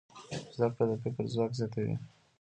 زده کړه د فکر ځواک زیاتوي.